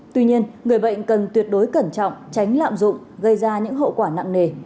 tuy nhiên người bệnh cần tuyệt đối cẩn trọng tránh lạm dụng gây ra những hậu quả nặng nề